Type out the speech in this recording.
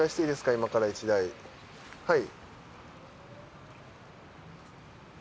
今から１台はい。